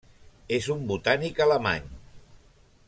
És un botànic alemany.